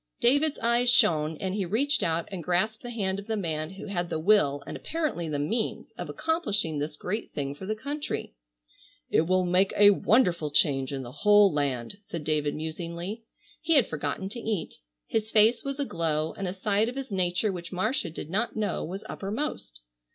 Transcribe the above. David's eyes shone and he reached out and grasped the hand of the man who had the will and apparently the means of accomplishing this great thing for the country. "It will make a wonderful change in the whole land," said David musingly. He had forgotten to eat. His face was aglow and a side of his nature which Marcia did not know was uppermost.